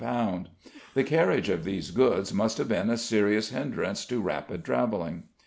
The carriage of these goods must have been a serious hindrance to rapid travelling.